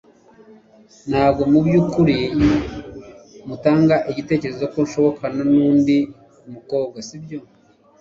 Ntabwo mu byukuri mutanga igitekerezo ko nsohokana nundi mukobwa, nibyo?